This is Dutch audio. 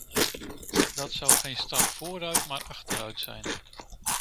Dat zou geen stap vooruit maar achteruit zijn.